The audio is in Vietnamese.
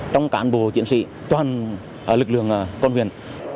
trong cán bộ chiến sĩ toàn lực lượng con huyền